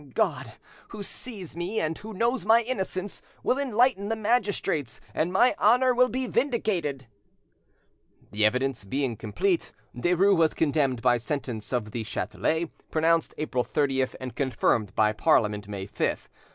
God, who sees me, and who knows my innocence, will enlighten the magistrates, and my honour will be vindicated." The evidence being complete, Derues was condemned by sentence of the Chatelet, pronounced April 30th, and confirmed by Parliament, May 5th.